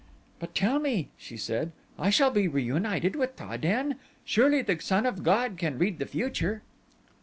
"But tell me," she said, "I shall be reunited with Ta den? Surely the son of god can read the future."